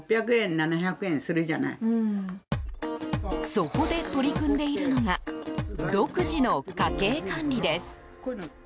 そこで取り組んでいるのが独自の家計管理です。